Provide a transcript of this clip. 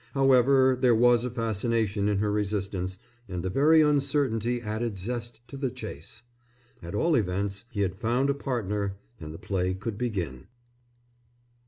However, there was a fascination in her resistance, and the very uncertainty added zest to the chase. At all events he had found a partner, and the play could begin.